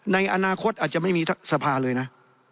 ในอนาคตอาจจะไม่มีสภาเลยนะ